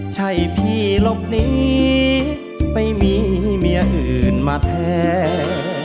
ใช่พี่หลบหนีไปมีเมียอื่นมาแท้